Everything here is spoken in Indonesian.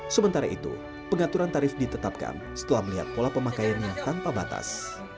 sementara itu pengaturan tarif ditetapkan setelah melihat pola pemakaiannya tanpa batas